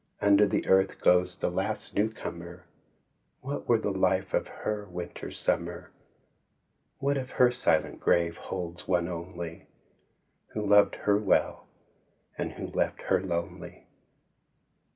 Under the earth goes the last new comer, What were the life of her, winter smnmer ! What if her silent grave holds one only Who loved her well, and who left her lonely?